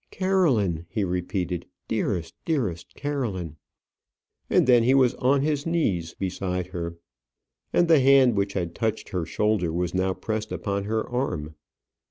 "Caroline," he repeated; "dearest, dearest Caroline." And then he was on his knees beside her; and the hand which had touched her shoulder was now pressed upon her arm.